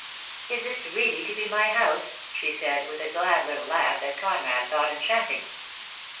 "Is this really to be my house?" she said, with a glad little laugh that Conrad thought enchanting.